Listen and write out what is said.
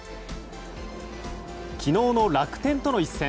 昨日の楽天との一戦。